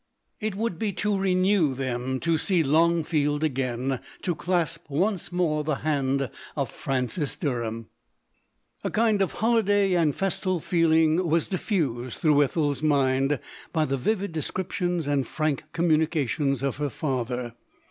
It would be to renew them to see Longfield again, — to clasp once more the hand of Francis Derham. A kind of holiday and festal feeling was dif fused through Ethel's mind by the vivid de scriptions and frank communications of her lather.